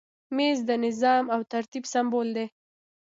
مېز د نظم او ترتیب سمبول دی.